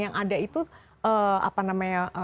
yang ada itu apa namanya tidak memberikan orang lainnya